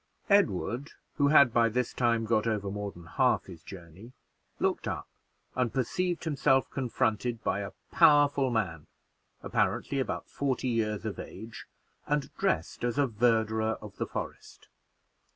Edward, who had by this time got over more than half his journey, looked up, and perceived himself confronted by a powerful man, apparently about forty years of age, and dressed as a verderer of the forest.